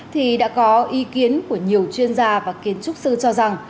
thì đã có ý kiến của nhiều chuyên gia và kiến trúc sư cho rằng